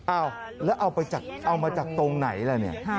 อ้าวแล้วเอามาจากตรงไหนล่ะเนี่ย